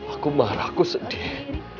aku marah aku sedih